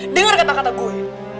dengar kata kata gue